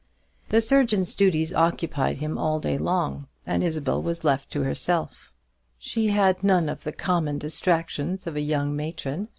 The surgeon's duties occupied him all day long, and Isabel was left to herself. She had none of the common distractions of a young matron.